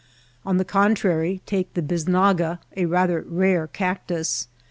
On the contrary take the bisnaga — a rather rare cactus.